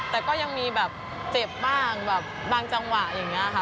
แต่ก็ยังมีแบบเจ็บบ้างแบบบางจังหวะอย่างนี้ค่ะ